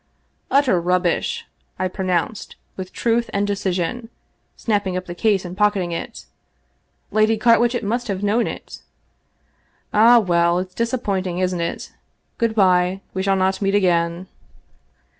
" Utter rubbish !" I pronounced, with truth and decision, snapping up the case and pocketing it. " Lady Carwitchet must have known it." " Ah, well, it's disappointing, isn't it? Good by, we shall not meet again."